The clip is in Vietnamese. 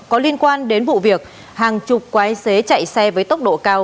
có liên quan đến vụ việc hàng chục quái xế chạy xe với tốc độ cao